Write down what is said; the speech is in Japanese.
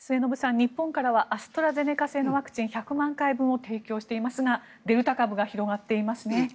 日本からはアストラゼネカ製のワクチン１００万回分を提供していますがデルタ株が広がっていますね。